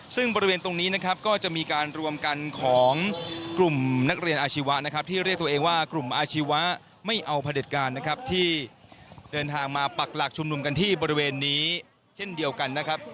ซึ่งบริเวณตรงนี้นะครับก็จะมีการรวมกันของกลุ่มนักเรียนอาชีวะนะครับที่เรียกตัวเองว่ากลุ่มอาชีวะไม่เอาผลิตการนะครับที่เดินทางมาปักหลักชุมนุมกันที่บริเวณนี้เช่นเดียวกันนะครับ